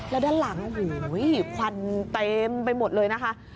แล้วด้านหลังโอ้โหควันเต็มไปหมดเลยนะคะ